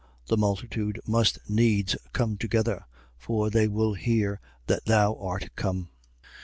The multitude must needs come together: for they will hear that thou art come.